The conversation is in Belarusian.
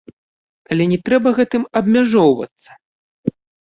Але не трэба гэтым абмяжоўвацца!